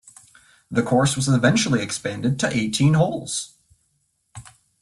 The course was eventually expanded to eighteen holes.